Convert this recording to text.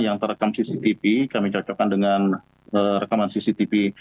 yang terekam cctv kami cocokkan dengan rekaman cctv